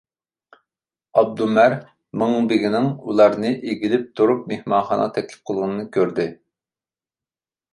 ئابدۇمەر مىڭبېگىنىڭ ئۇلارنى ئېگىلىپ تۇرۇپ مېھمانخانىغا تەكلىپ قىلغىنىنى كۆردى.